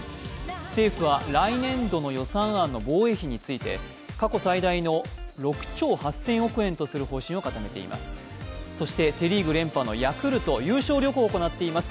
政府は来年度の予算案の防衛費について過去最大の６兆８０００億円とする方針を固めています。